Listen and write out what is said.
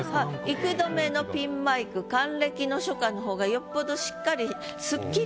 「幾度目のピンマイク還暦の初夏」の方がよっぽどしっかり。